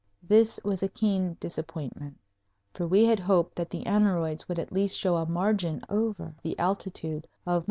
This was a keen disappointment, for we had hoped that the aneroids would at least show a margin over the altitude of Mt.